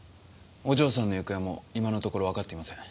お嬢さんの行方も今のところわかっていません。